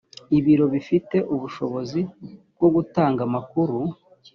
ibiro bifite ubushobozi bwo gutanga amakuru